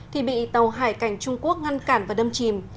thì bị tàu hải cảnh trung quốc ngăn cản và đâm chìm